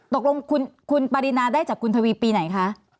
ตกลงคุณปรินาได้จากคุณทวีปีไหนคะ